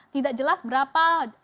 tidak jelas berapa